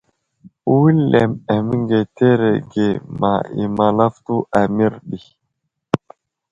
Wulem aməŋgeterege ma I malafto a mərɗi.